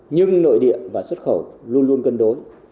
nhưng nội địa và xuất khẩu luôn luôn cân đối